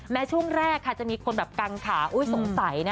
ช่วงแรกค่ะจะมีคนแบบกังขาสงสัยนะ